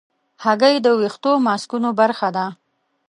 هګۍ د ویښتو ماسکونو برخه ده.